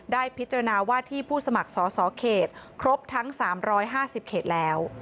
ได้พิจารณาว่าที่ผู้สมัครสอสอเขตครบทั้ง๓๕๐เขตแล้ว